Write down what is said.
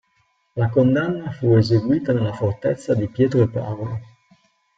La condanna fu eseguita nella fortezza di Pietro e Paolo.